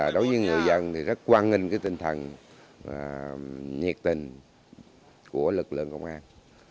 đối với người dân thì rất quan nghênh cái tinh thần nhiệt tình của lực lượng công an